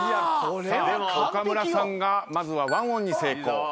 さあ岡村さんがまずはワンオンに成功。